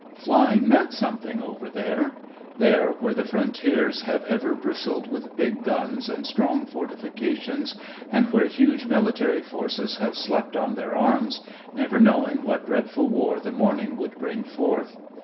Flying meant something over there there where the frontiers have ever bristled with big guns and strong fortifications, and where huge military forces have slept on their arms, never knowing what dreadful war the morning would bring forth.